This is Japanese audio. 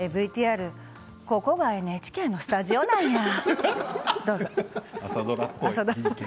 ＶＴＲ、ここがＮＨＫのスタジオなんや。